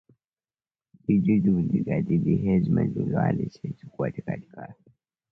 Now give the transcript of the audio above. There is speculation that his body lies in the Thunder Bay National Marine Sanctuary.